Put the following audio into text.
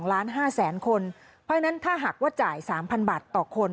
คนเพราะฉะนั้นถ้าหากว่าจ่าย๓๐๐บาทต่อคน